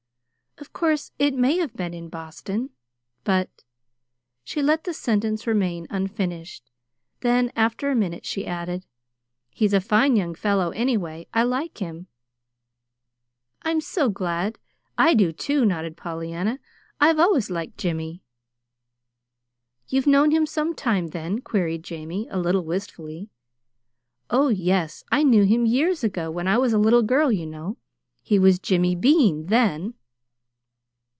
"Of course it may have been in Boston; but " She let the sentence remain unfinished; then, after a minute she added: "He's a fine young fellow, anyway. I like him." "I'm so glad! I do, too," nodded Pollyanna. "I've always liked Jimmy." "You've known him some time, then?" queried Jamie, a little wistfully. "Oh, yes. I knew him years ago when I was a little girl, you know. He was Jimmy Bean then."